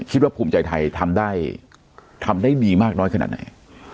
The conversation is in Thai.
คิดว่าภูมิใจไทยทำได้ดีมากน้อยขนาดไหน